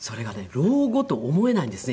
老後と思えないんですね